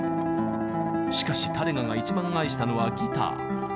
しかしタレガが一番愛したのはギター。